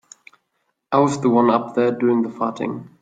I was the one up there doing the farting.